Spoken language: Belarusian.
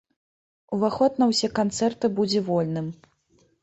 Уваход на ўсе канцэрты будзе вольным.